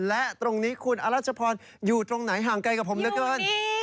และตรงนี้คุณอรัชพรอยู่ตรงไหนห่างไกลกับผมเหลือเกิน